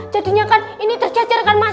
jadinya kan ini tercecer kan mas